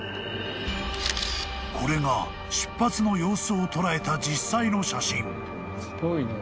［これが出発の様子を捉えた実際の写真］